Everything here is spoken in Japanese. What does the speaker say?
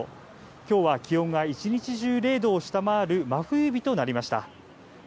きょうは気温が一日中０度を下回る真冬日となりました。